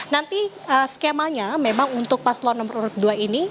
nanti skemanya memang untuk paslon nomor urut dua ini